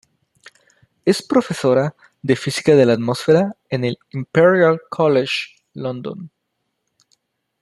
Es profesora de física de la atmósfera en el Imperial College London.